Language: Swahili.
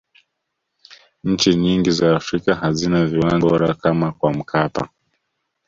nchi nyingi za afrika hazina viwanja bora kama kwa mkapa